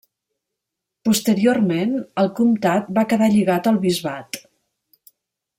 Posteriorment el comtat va quedar lligat al bisbat.